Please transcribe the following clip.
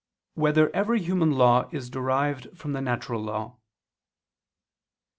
2] Whether Every Human Law Is Derived from the Natural Law?